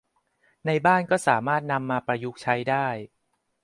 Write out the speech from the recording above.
ในบ้านก็สามารถนำมาประยุกต์ใช้ได้